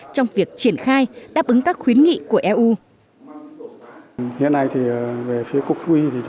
trong việc triển khai đáp ứng các khuyến nghị của eu